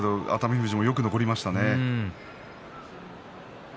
富士はよく残りましたね。